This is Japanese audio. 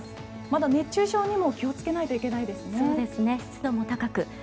まだ熱中症にも気をつけないといけないですね。